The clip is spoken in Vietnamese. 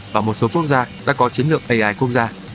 và một số quốc gia đã có chiến lược ai quốc gia